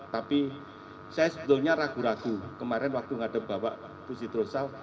tapi saya sebetulnya ragu ragu kemarin waktu ngadep bapak bu sidrosal